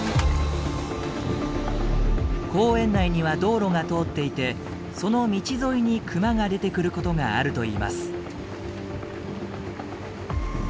公園内には道路が通っていてその道沿いにクマが出てくることがあるといいます。